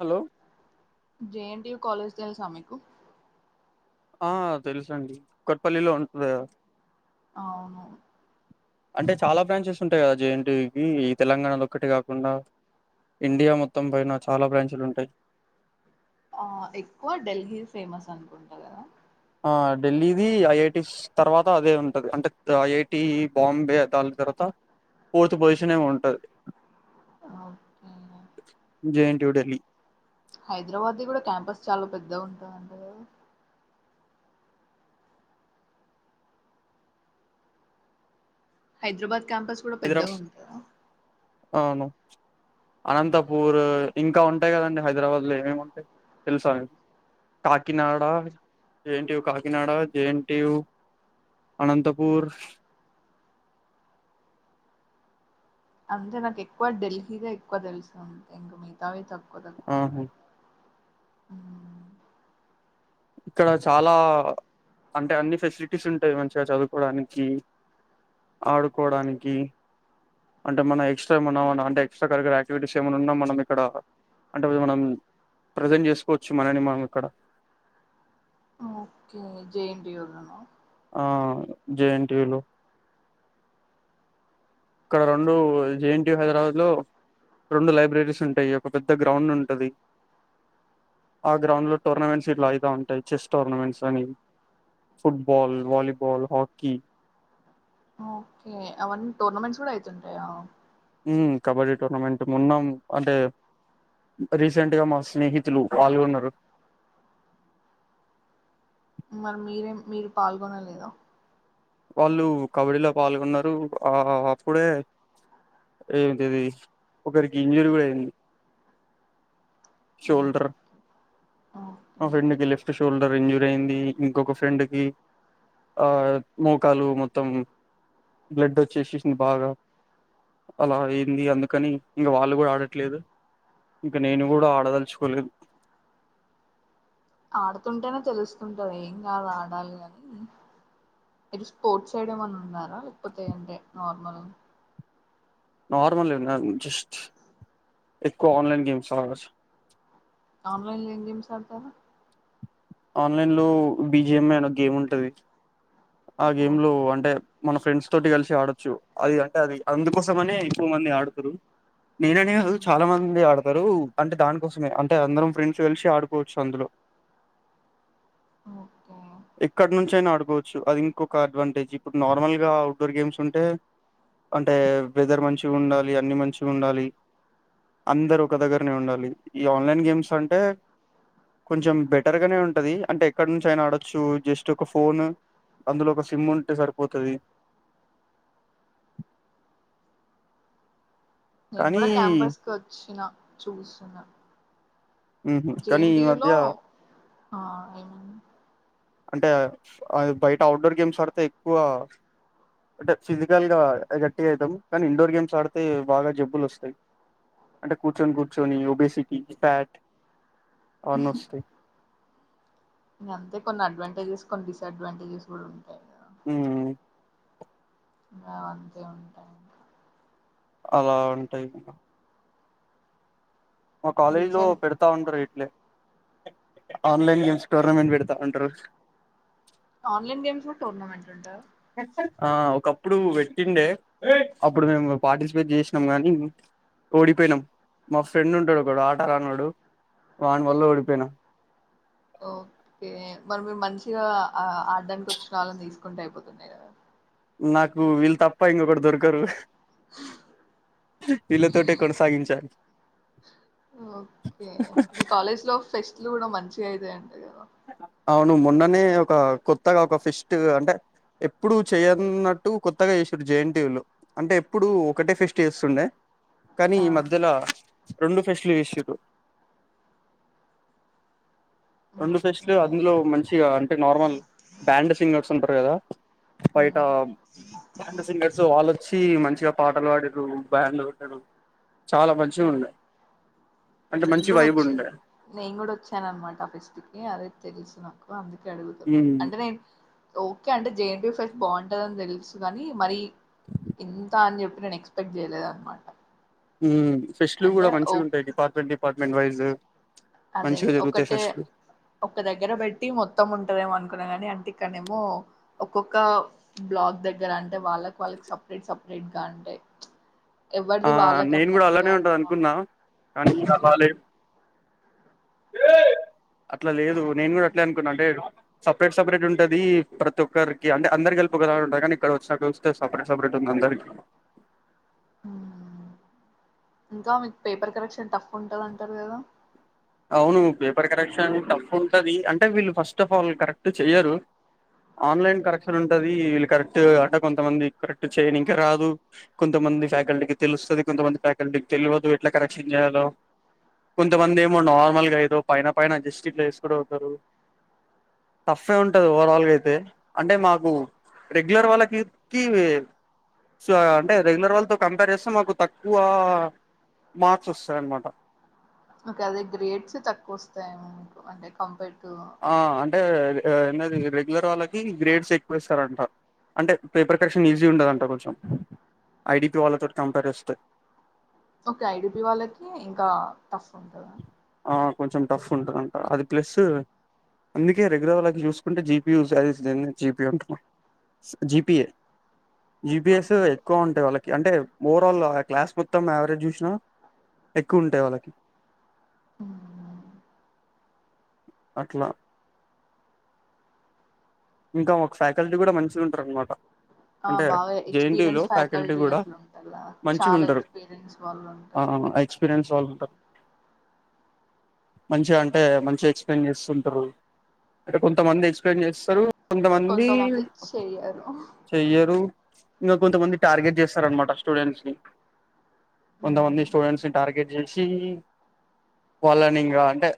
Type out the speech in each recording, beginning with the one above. Hello. JNTU college తెలుసా మీకు. ఆ తెలసండి కొట్పల్లిలో ఉంటది కదా అవును. అంటే చాలా బ్రాంచెస్ ఉంటాయి కదా జెఎన్టియుకి తెలంగాణలో ఒక్కటే కాకుండా ఇండియా మొత్తం పైన చాలా బ్రాంచులు ఉంటాయి. ఆ ఎక్కువ ఢెల్లీ ఫేమస్ అనుకుంటగ ఆ ఢిల్లీది ఐఐటి తర్వాత అదే ఉంటది అంటే ఐఐటి బాంబే దాని తర్వాత. ఫోర్త్ పొజిషన్ ఏమో ఉంటది ఓకే జేఎన్టీయూ డెల్లీ. హైదరాబాద్ది కూడా క్యాంపస్ చాలా పెద్దగా ఉంటది అంటగ హైదరాబాద్ క్యాంపస్ కూడా పెద్దగా హైదరాబాద్ ఉంటా అవును అనంతపూరూ ఇంకా ఉంటాయి కదండి హైదరాబాద్లో ఏమేమి ఉంటాయి తెలుసా. కాకినాడ జేఎన్టీయూ కాకినాడ జేఎన్టీయూ అనంతపూర్ అంటే నాకు ఎక్కువ ఢిల్లీదే ఎక్కువ తెలుసు అంతే ఇంక మిగతావి తక్కువ తెలుకునే ఆహా ఇక్కడ చాలా అంటే అన్ని ఫెసిలిటీస్ ఉంటాయి మంచిగా చదువుకోవడానికి ఆడుకోవడానికి అంటే మన ఎక్స్ట్రా ఏమన్నా అంటే ఎక్స్ట్రా కర్యులర్ ఆక్టివిటీస్ ఏమై ఉన్నా మనం ఇక్కడ అంటే మనం ప్రజెంట్ చేసుకోవచ్చు మనని మనం ఇక్కడ ఓకే జైంట యోజనా ఆ జేఎన్టీయులు ఇక్కడ రెండు జేఎన్ యు హైదరాబాద్ లో రెండు లైబ్రరీస్ ఉంటాయి ఒక పెద్ద గ్రౌండ్ ఉంటది ఆ గ్రౌండ్ లో టోర్నమెంట్స్ ఇట్లా అయిత ఉంటాయి చెస్ టోర్నమెంట్స్ అని ఫుట్బల్ వాలీబల్ హకీ ఓకే అన్ టోర్నమెంట్స్ కూడా ఐతుంటాయా కబడ్డీ టోర్నమెంట్ మొన్నం అంటే రీసెంట్ గా మా స్నేహితులు పాల్గొన్నారు మరి మీరేం మీరు పాల్గొనలేదా వాళ్ళు కబడ్డీలో పాల్గొన్నారు ఆ అప్పుడే [inaudible] ఏంటిది ఒకరికి ఇంజురీ కూడా అయింది ఓ- శోల్డర్ మా ఓకే ఫ్రెండ్ కీ లిఫట్ శోల్డ్ర్ ఇంజూర్ అయింది ఇంకొక ఫ్రెండ్ కి ఆ మోకాలు మొత్తం బ్లడ్ వచ్చేసేసింది బాగా అలా అయింది అందుకని ఇంక వాళ్ళు కూడా ఆడట్లేదు ఇంక నేను కూడా ఆడదలుచుకోలేదు ఆడుతుంటేనే తెలుస్తుంటాదీ ఏం కాదు ఆడాలి అని మీరు స్పోర్ట్స్ ఐడిమ్ అని ఉన్నారా లేకపోతే అంటే నార్మల్ నార్మల్ జస్ట్ ఎక్కువ ఆన్లైన్ గేమ్స్ ఆడా ఆన్లైన్ లో గేమ్స్ ఆడతారూ ఆన్లైన్ లో బిజిఎం అన గేమ్ ఉంటుది ఆ ఓ గేమ్ లో అంటే మన ఫ్రెండ్స్ తోటి కలిసి ఆడొచ్చు అది అంటే అది అందుకోసమనే ఎక్కువ మంది ఆడుతారు నేననే అ చాలా మంది ఆడతారు అంటే దానికోసమే అంటే అందరం ఫ్రెండ్స్ వెలిసి ఆడుకోవచ్చు అందులో ఓకే ఇక్కడ నుంచి అయినా ఆడుకోవచ్చు అది ఇంకొక అడ్వాంటేజ్ ఇప్పుడు నార్మల్ గా అఔట్ డోర్ గేమ్స్ ఉంటే అంటే వెదర్ మంచిగా ఉండాలి అన్ని మంచిగా ఉండాలి అందరు ఒక దగ్గరనే ఉండాలి ఈ ఆన్లైన్ గేమ్స్ అంటే కొంచెం బెట ఉంటది అంటే ఎక్కడ నుంచి ఆయన ఆడొచ్చు జస్ట్ ఒక ఫోన్ అందులో ఒక సిమ్ ఉంటే సరిపోతుంది నేను కానీ కూడా క్యాంపస్ కి వచ్చిన చూసిన ఉహు కానీ ఈ జేఎన్టీయు లో మధ్య ఆ ఏమ అంటే అ బయట అఔట్డోర్ గేమ్స్ ఆడితే ఎక్కువ అంటే ఫిజికల్ గా గట్టిగా అవుతాం కానీ ఇండోర్ గేమ్స్ ఆడితే బాగా జబ్బులు వస్తాయి అంటే కూర్చన్ కూర్చుని బసిటీ ఫ్యాట్ అవన్నీ వస్తాయ్ ఇ అంతే కొన్ని అడ్వాంటేజెస్ కొన్ని డిసఅడ్వాంటేజెస్ కూడా ఉంటాయి కదా ఉ మే అంతే ఉంటాయి అలా ఉంటాయి మా కాలేజ్ లో రీసెంట్ పెడత తా ఉంటారు ఇట్లే ఆన్లైన్ గేమ్స్ టోర్నమెంట్ పెడతా ఉంటారు ఆన్లైన్ గేమ్స్ లో టోర్నమెంట్ అంటా ఆ ఒకప్పుడు పెట్టిండే అప్పుడు మేము పార్టిసిపేట్ చేసినాం గాని ఓడిపోయినాం మా ఫ్రెండ్ ఉంటడు ఒకడు ఆట రానోడు వాని వల్ల ఓడిపోయినాం ఓకే మరి మీరు మంచిగా ఆడడానికి వచ్చిన వాళ్ళని తీసుకుంటే అయిపోతుండె కదా నాకు వీళ్ళు తప్ప ఇంకొకడు దొరకరు వీళ్ళ తోటె కొనసాగించాలి ఓకే మీ కాలేజ్లో ఫెస్ట్లు కూడా మంచిగా అయితాయంట కదా అవును మొన్ననే ఒక కొత్తగా ఒక ఫెష్ట్ అంటే ఎప్పుడు చేయన్నట్టు కొత్తగా చేసుడు జేఎన్టీయు లో అంటే ఎప్పుడు ఒకటే ఫెస్ట్ చేస్తుండే కానీ ఈ ఆ, మధ్యలో రెండు ఫెస్ట్ లు చేసిర్రు రెండు ఓకే ఫెస్ట్లు అందులో మంచిగా అంటే నార్మల్ బ్యాండ్ సింగర్స్ ఉంటారు కదా బయటా ఉమ్ బ్యాండ్ సింగర్స్ వాల్ల ది చ్చి మంచిగా పాటలు పాడిర్రు బ్యాండ్లు ఆట్టారు చాలా మంచిగా ఉన్నాయి అంటే నేను మంచి కూడా వైబ్ వచ్చా ఉండే నేను కూడా వచ్చాన నమాట ఆ ఫిస్ట్ కి అదే తెలుసు నాకు అందుకే అడుగుతున్నా ఉమ్ అంటే నేను ఓకే అంటే జేఎన్టీయూ ఫెస్ట్ బావుంటదని తెలుసు గాని మరి ఇంత అని చెప్పి నను ఎక్స్ పెక్ట్ చేయలేదన్నమాట ఫెస్ట్ లు కూడా ఓ మంచిగా ఉంటాయి department department wise అదే మంచిగా జరుగుతాయి ఒకటే ఫెస్ట్లు ఒక్క దగ్గర పెట్టి మొత్తం ఉంటదేమో అనుకున్నా గాని అంటే ఇక్కన్నేమో ఒక్కొక్క బ్లాక్ దగ్గర అంటే వాళ్ళకి వాళ్ళకి సపరేట్ సపరేట్ గా అంటే ఆ ఎవ్వరిది వాళ్ళకు అన్నట్టుగా వెళ్తున్నా అ బాలే అట్లా లేదు నేను కూడా అట్లే అనుకున్నా అంటే సపరేట్ సపరేట్ ఉంటది ప్రతి ఒక్కరికి అంటే అందరి గలిపిఒకలా ఉంటారు కానీ ఇక్కడ వచ్చిన సపరేట్ సపరే ఉంది అందరి మ్ ఇంకా మీకు పేపర్ కరెక్షన్ టఫ్ ఉంటది అంటారు కదా అవును పేపర్ కరెక్షన్ టఫ్ ఉంటది అంటే వీళ్ళు ఫస్ట్ ఆఫ్ ఆల్ కరెక్ట్ చెయ్యరు ఆన్లైన్ కరెక్షన్ ఉంటది వీళ్ళు కరెక్ట్ అంటె కొంతమంది కరెక్ట్ చేయని ఇంకా రాదు కొంతమంది ఫ్యాకల్టీకి తెలుస్తది కొంతమంది ఫ్యాకల్టీకి తెల్వదు ఎట్లా కరెక్షన్ చేయాలో కొంతమంది ఏమో నార్మల్గా ఏదో పైన పైన అడ్జస్ట్ చేసు కూడా అవుతారు టఫ్ఫె ఉంటది ఓవరాల్గా అయితే అంటే మాకు రెగ్యులర్ వాళకికి సో అంటే రెగ్యులర్ వాళ్ళతో కంపేర్ చేస్తే మాకు తక్కువ మార్క్స్ వస్తాయిన్నమాట ఇంకా అదే గ్రేడ్స్ తక్కువ వస్తాయెమో మీకు అంటే కంపేర్ టు అంటే ఏది రెగ్యులర్ వాళ్ళకి గ్రేడ్స్ ఎక్కువ ఇస్తారంట అంటే పేపర్ కరెక్షన్ షన్ ఈజీ ఉండదంట కొంచెం ఐడిపీ వాళ్ళతోటి కంపేర్ చేస్తే ఓకే ఐడిపి వాళ్ళకి ఇంకా టఫ్ ఉంటదా ఆ కొంచెం టఫ్ ఉంటదంట అది ప్లస్ అందుకే రెగ్యుర్ వాళ చూసుకుంటే జీపీ జీపీ ఉంటాం జీపీఏ జిబిఎస్ ఓకే ఎక్కువ ఉంటాయి వాళ్ళకి అంటే ఓవరాల్ క్లాస్ మొత్తం యావరేజ్ చూ ఎక్కువ ఉంటాయి వాళ్ళకి ఉమ్ అట్లా ఇంకా ఒక ఫ్యాకల్టీ కూడా మంచిగా ఉంటారు అనమాట ఆ అంటే బాగా జేఎన్టీయులో ఎక్స్పీరియన్స్ ఫ్యాకల్టీ కూడా అట్లు ఉంటర్ కాద చాలా ఎక్స్పీరియన్స్ వాళ్ళు ఉంటారు అవును ఎక్స్పీరియన్స్ వాళ్ళు ఉంటారు మంచిగా అంటే మంచిగా ఎక్స్ప్లెయిన్ చేస్తుంటారు అంటే కొంతమంది ఎక్స్ప్లెయిన్ చేస్తారు కొంతమంది చెయ్యరు ఇంకా కొంతమంది టార్గెట్ చేస్తారనమాట స్టూడెంట్స్ ని కొంతమంది స్టూడెంట్స్ ని టార్గెట్ చేసి వాళ్ళని ఇంకా అంటే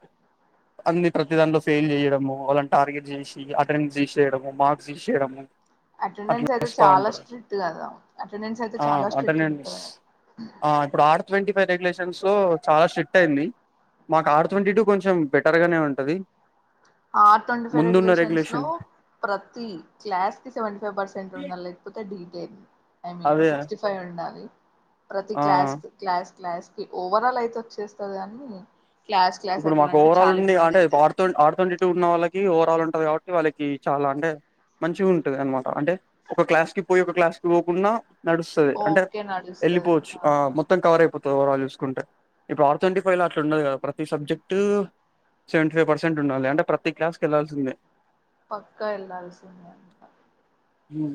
అన్ని ప్రతి దానిట్లో ఫెయిల్ చేయడము వాళ్ళని టార్గెట్ చేసి ఈ అటెండెన్స్ తీసేయడము మార్క్స్ తీసేయడము అట్లా అటెండెన్స్ అయితే చేస్తా చాలా ఉంటారు స్ట్రిక్ట్ కదా అటెండెన్స్ అయితే ఆ చాలా స్ట్రిక్ట్ అటెండెన్స్ ఉంటది ఆ ఇప్పుడు ఆర్ట్వీ ఫైవ్ రెగ్యులేషన్స్ చాలా స్ట్రిక్ట్ యింది మాకు ఆర్ ట్వంటీ టు కొంచెం బెటర్ గానే ఉంటది ఆ ట్వంటీ ఫైవ్ ముందున్న రెగ్యులేషన్స్ లో రెగ్యులేషన్ ప్రతి క్లాస్ కి సెవెంటీ ఫైవ్ పర్సెంట్ ఉండాలి లేకపోతే డీటెయిల్ ఐ మీన్ అదే సిక్స్టీ ఫై ఉండాలి ప్రతి ఆ క్లాస్ క్లాస్ క్లాస్కి ఓవరాల్ అయితే వచ్చేస్తుంది కానీ క్లాస్ క్లాస్ ఇప్పుడు అట్లా మాకు అంటే ఓవరాల్ చాలా నుండి ఇబ్బంది అంటే అయితది ఆడు ఆడుతు యాక్టివ్ ఉన్న వాళ్ళకి ఓవరాల్ ఉంటది కాబట్టి వాళ్ళకి చాలా అంటే మంచిగా ఉంటది అనమాట అంటే ఒక క్లాస్ కి పోయి ఒక క్లాస్ కి పోకుండా నడుస్తది అంటే ఓకే నడుస్తది వెళ్ళిపోవచ్చు ఆ మొత్తం కవర్ అయిపోతుంది ఓవరాల్ చూసుకుంటే ఇప్పుడు ఆర్థె ట్వంటీ ఫైవ్ అలా ఉండదు కదా ఈ సబ్జెక్ట్ సెవెంటీ ఫైవ్ పర్సెంట్ ఉండాలి అంటే ప్రతి క్లాస్ కి వెళ్లాల్సిందే పక్క వెళ్లాల్సిందే ఉ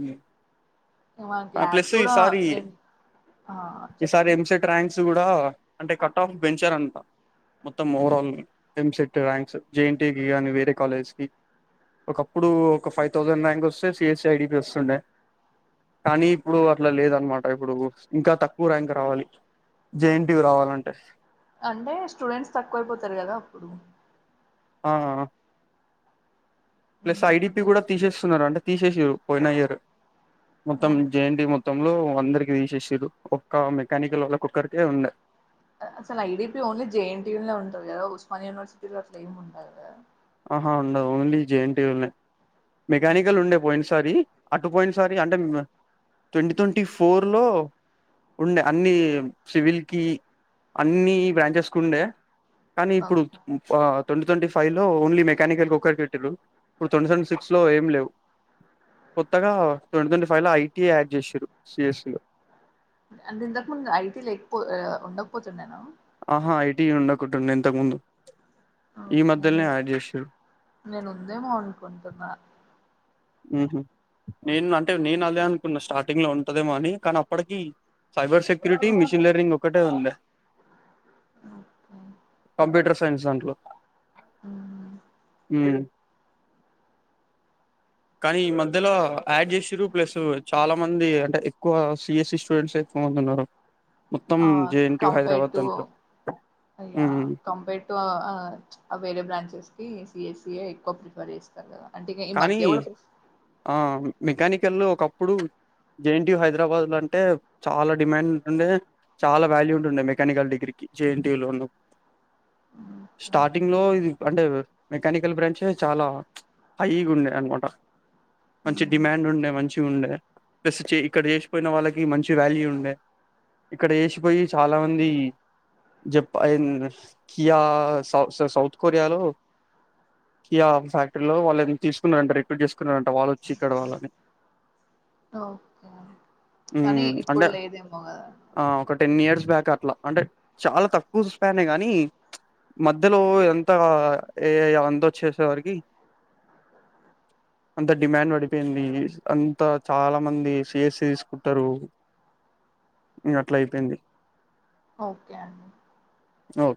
మాకు ల్యాబ్స్ కూడా నేను ఆ చెప్పండి క్రాన్స్ కూడా అంటే కట్ ఆఫ్ బెంచర్ అంత మొత్తం ఓవరాల్ ఎంసెట్ ర్యాంక్స్ జేఎన్టీ కి కానీ వేరే కాలేజ్స్ కి ఒకప్పుడు ఒక ఫైవ్ థౌసండ్ ర్యాంక్ వస్తే సిఎస్ ఐడి తేస్తుండే కానీ ఇప్పుడు అట్లా లేదనమాట ఇప్పుడు ఇంకా తక్కువ ర్యాంక్ రావాలి జెఎన్టీయు రావాలంటే అంటే స్టూడెంట్స్ తక్కువై పోతారు కదా అప్పుడు ఆ ప్లస్ మ్మ్. ఐడిపీ కూడా తీసేస్తున్నారు అంటే తీసేసిరు పోయిన ఇయర్ ఓ, మొత్తం జేఎన్డి మొత్తం మొత్తంలో అందరికి తీసేసిర్రు ఒక్క మెకానికల్ వాళ్ళకిక్కరికే ఉండ అసలు ఐడీపీ ఓన్లీ జేఎన్టీయుూ లో ఉంటారు కదా ఉస్మాన్ యూనివర్సిటీలో అట్లే ఏమి ఉండదు కదా ఆహా ఉండదు ఓన్లీ జేఎన్టీ మెకానికల్ ఓకే ఉండే పోయినసారి అటు పోయిన సారి అంటే ట్వంటీ ట్వంటీ ఫోర్లో ఉండే అన్నీ సివిల్కి అన్నీ బ్రాంచెస్కి ఉండే కానీ ఇప్పుడు ట్వంటీ ట్వంటీ ఫైవ్ లో ఓన్లీ మెకానికల్ ఒక్కరికి పెట్టరు ఇప్పుడు ట్వంటీ ట్వంటీ సిక్స్ లో ఏం లేవు కొత్తగా ట్వంటీ ట్వంటీ ఫైవ్ లో ఐటీ యాడ్ చేసిరు సిఎస్సి లో అంటే ఇంతకు ముందు ఐటీ లేకపో ఉండక పోతుండేనా ఆహా ఐటీ ఉండకుంటుండే ఇంతకుముందు ఈ ఓకే మధ్యలోనే నేను యాడ్ చేసిరు నేను ఉందేమో అనుకుంటున్నా హ నేను అంటే నేను అదే అనుకున్న స్టార్టింగ్ లో ఉంటదేమో అని కానీ అప్పటికి సైబర్ సెక్యూరిటీ, మిషిన్ లెర్నింగ్ ఒకటే ఉండే ఓకే కంప్యూటర్ సైన్స్ దాంట్లో ఉ హు కానీ ఈ మధ్యలో యాడ్ చేస్సిరు ప్లస్సు చాలా మంది అంటే ఎక్కువ సిఎస్ఈ స్టూడెంట్సే ఎక్కువ మంది ఉన్నారు మొత్తం ఆ జేఎన్టీయు కంపేర్డ్ హైదరాబాద్ టు దాంట్లో ఆయ్య ఉమ్ కంపేర్డ్ ఆవేరే బ్రాంచెస్కి సిఎస్సిఏ ఎక్కువ ప్రిఫర్ చేస్త అంటేక ఈ కానీ మధ్య కూడా ప్రిఫ ఆ మెకానికల్ ఒకప్పుడు జేఎన్టీయు హైదరాబాద్లో అంటే చాలా డిమాండ్ ఉండే చాలా వాల్యూ ఉంటుంది మెకానికల్ డిగ్రీకి జేఎన్టీయుూలోను స్టార్టింగ్లో ఇది అంటే మెకానికల్ బ్రాంచే చాలా హైగుండె అనుమాటా మంచి డిమాండ్ ఉండే మంచిగుండే స్ ఇక్కడ చేసిపోయిన వాళ్ళకి మంచి వాల్యూ ఉండే ఇక్కడ చేసిపోయ్యి చాలా మంది జప్పన్ అయినా కియా సౌత్ సౌత్కొరియాలో కియా ఫ్యాక్టరీలో వాళ్ళు తీసుకున్నారంట రిపీట్ చేసుకున్నారంట వాళ్ళు వచ్చి ఇక్కడ్వాళ్ళని ఓకే కానీ ఉమ్, అంటే ఇప్పుడు లేదేమో కద ఆ ఒక టెన్ ఇయర్స్ బ్యాక్ అట్లా అంటే చాలా తక్కువ స్ప్యానేగాని మధ్యలో ఇదంతా ఏఐ ఆవంత వచ్చేసరికి అంత డిమాండ్ పడిపోయింది అంత చాలా మంది సిస్ఇ తిసుకుంటరు ఇగ అట్ల అయిపోయింది ఓకే అండి ఓకే